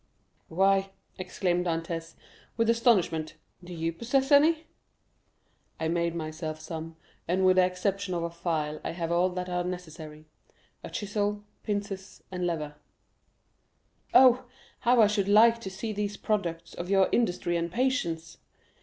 "Why," exclaimed Dantès, with astonishment, "do you possess any?" "I made myself some; and with the exception of a file, I have all that are necessary,—a chisel, pincers, and lever." 0201m "Oh, how I should like to see these products of your industry and patience."